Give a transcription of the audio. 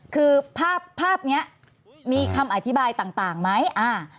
คือภาพภาพนี้มีคำอธิบายต่างไหมอ่า